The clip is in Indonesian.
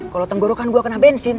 kalau tenggorokan gue kena bensin